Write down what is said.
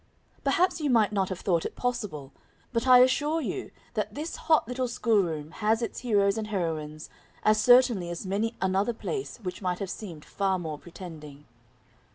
Perhaps you might not have thought it possible, but I assure you, that this hot little schoolroom has its heroes and heroines as certainly as many another place which might have seemed far more pretending.